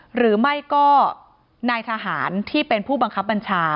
หรือไม่ก็นายทหารที่เป็นผู้บังคับบัญชา